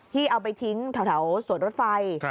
เอาไปทิ้งแถวสวนรถไฟ